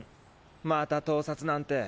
また盗撮なんて。